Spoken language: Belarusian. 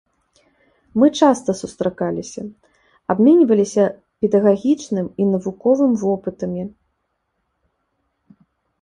Мы часта сустракаліся, абменьваліся педагагічным і навуковым вопытамі.